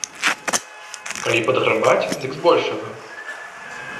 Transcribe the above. Калі падграбаць, дык збольшага.